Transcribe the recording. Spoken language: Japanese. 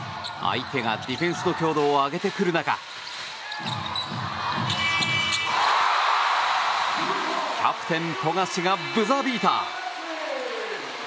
相手がディフェンスの強度を上げてくる中キャプテン富樫がブザービーター！